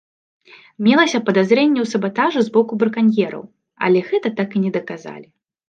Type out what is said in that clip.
Мелася падазрэнне ў сабатажы з боку браканьераў, але гэта так і не даказалі.